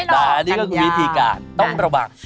แต่อันนี้ก็คือวิธีการต้องระวัง